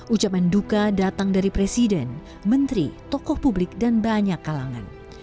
ucapan duka datang dari presiden menteri tokoh publik dan banyak kalangan